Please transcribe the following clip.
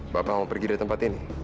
bapak mau pergi dari tempat ini